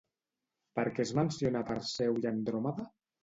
Per què es menciona a Perseu i Andròmeda?